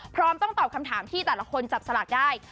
พร้อมต้องตอบคำถามที่แต่ละคนจับสลากได้